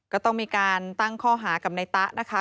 ก็ต้องมีการตั้งข้อหากับในตะนะคะ